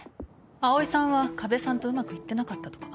葵さんは加部さんとうまくいってなかったとか。